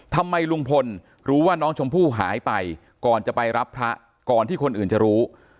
ทำไมลุงพลรู้ว่าน้องชมพู่หายไปก่อนจะไปรับพระก่อนที่คนอื่นจะรู้